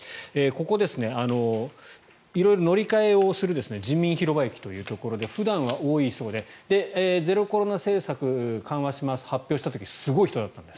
ここ、色々乗り換えをする人民広場駅というところで普段は多いそうでゼロコロナ政策が緩和しますと発表した時はすごい人だったんです。